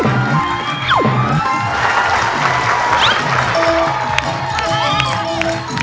ส่วนดีเทลเองก็เต้นเก่งเหมือนกันใช่ไหมประดิน